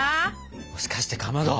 もしかしてかまど。